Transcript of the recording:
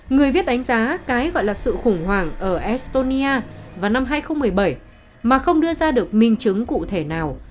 người viết đánh giá cái gọi là sự khủng hoảng ở estonia vào năm hai nghìn một mươi bảy mà không đưa ra được minh chứng cụ thể nào